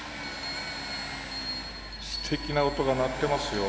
すてきな音が鳴ってますよ。